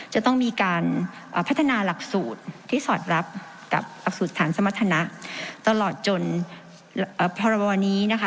จะต้องมีการพัฒนาหลักสูตรที่สอดรับกับหลักสูตรฐานสมรรถนะตลอดจนพรบนี้นะคะ